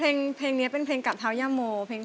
ร้องก็ได้ให้ร้าง